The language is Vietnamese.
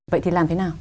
vậy thì làm thế nào